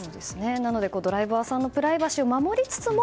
なので、ドライバーさんのプライバシーを守りつつも